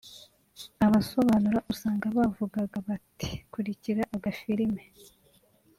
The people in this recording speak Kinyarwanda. abasobanura usanga bavugaga bati “kurikira agafilime